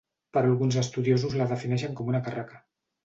Però alguns estudiosos la defineixen com una carraca.